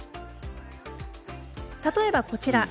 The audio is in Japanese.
例えば、こちら。